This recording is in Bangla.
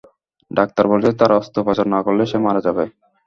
ডাক্তার বলেছে তার অস্ত্রোপচার না করলে সে মারা যাবে।